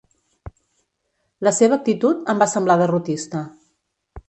La seva actitud em va semblar derrotista.